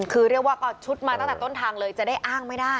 คือเรียกว่าก็ชุดมาตั้งแต่ต้นทางเลยจะได้อ้างไม่ได้